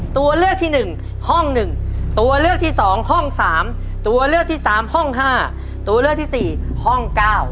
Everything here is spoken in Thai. ตัวเลือกที่๑ห้อง๑ตัวเลือกที่๒ห้อง๓ตัวเลือกที่๓ห้อง๕ตัวเลือกที่๔ห้อง๙